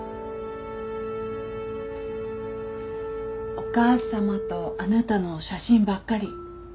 お母様とあなたの写真ばっかり。